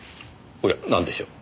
おやなんでしょう？